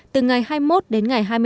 từ ngày hai mươi một đến ngày hai mươi năm